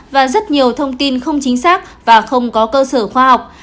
và rất nhiều thông tin không chính xác và không có cơ sở khoa học